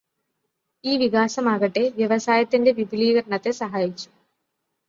ഈ വികാസമാകട്ടെ വ്യവസായത്തിന്റെ വിപുലീകരണത്തെ സഹായിച്ചു.